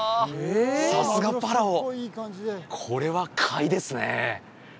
さすがパラオこれは買いですね